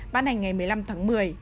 bán hành ngày một mươi năm tháng một mươi